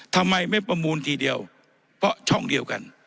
ทำไมไม่ประมูลทีเดียวเพราะช่องเดียวกัน